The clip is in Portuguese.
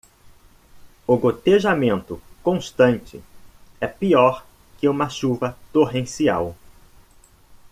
O gotejamento constante é pior que uma chuva torrencial.